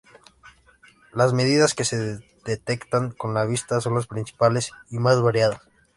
Las medidas que se detectan con la vista son las principales y más variadas.